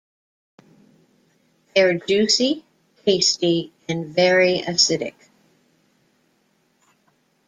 They are juicy, tasty and very acidic.